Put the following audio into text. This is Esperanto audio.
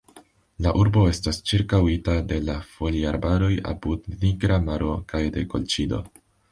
La urbo estas ĉirkaŭita de la Foliarbaroj apud Nigra Maro kaj de Kolĉido.